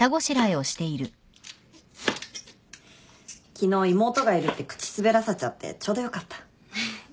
昨日妹がいるって口滑らせちゃってちょうどよかった。